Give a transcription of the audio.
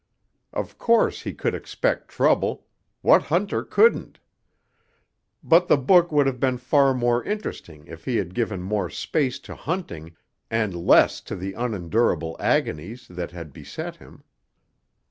Of course he could expect trouble what hunter couldn't? but the book would have been far more interesting if he had given more space to hunting and less to the unendurable agonies that had beset him.